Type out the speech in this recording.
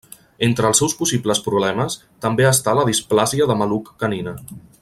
Entre els seus possibles problemes també està la displàsia de maluc canina.